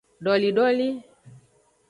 Dolidoli.